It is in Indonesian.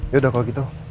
yaudah kalau gitu